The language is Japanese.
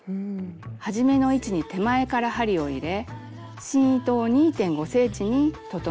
はじめの位置に手前から針を入れ芯糸を２．５ｃｍに整えます。